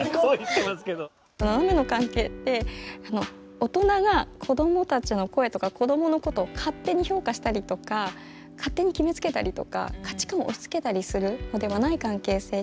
ナナメの関係って大人が子供たちの声とか子供のことを勝手に評価したりとか勝手に決めつけたりとか価値観を押し付けたりするのではない関係性。